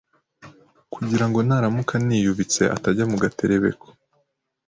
kugirango naramuka aniyubitse atajya mu gatebekero